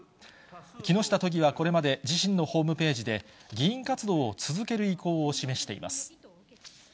木下都議はこれまで自身のホームページで、議員活動を続ける意向を示しています。